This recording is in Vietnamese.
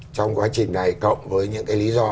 trong quá trình này cộng với những cái lý do